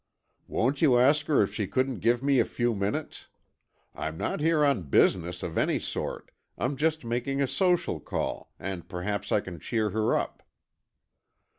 "Won't you ask her if she couldn't give me a few minutes? I'm not here on business of any sort, I'm just making a social call, and perhaps I can cheer her up."